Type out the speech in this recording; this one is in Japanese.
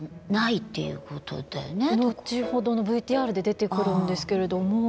後ほどのＶＴＲで出てくるんですけれども。